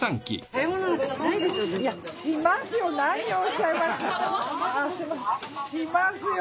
しますよ